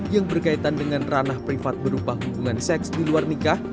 yang berkaitan dengan ranah privat berupa hubungan seks di luar nikah